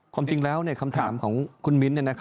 ความจริงแล้วคำถามของคุณมิ้น